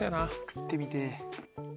食ってみてぇ。